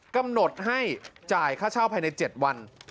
กำหนดให้จ่ายค่าเช่าภายใน๗วัน